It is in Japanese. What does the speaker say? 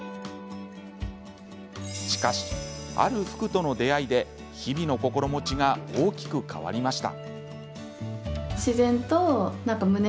しかし、ある服との出会いで日々の心持ちが大きく変わりました。